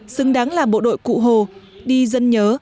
xứng đáng là bộ đội cụ hồ đi dân nhớ